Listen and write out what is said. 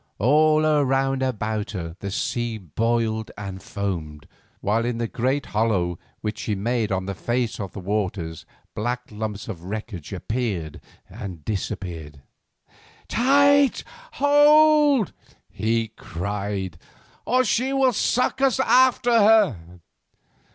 All round about her the sea boiled and foamed, while in the great hollow which she made on the face of the waters black lumps of wreckage appeared and disappeared. "Tight! hold tight!" he cried, "or she will suck us after her."